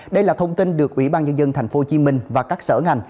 đây là thông tin được ủy ban nhân dân tp hcm và các sở ngành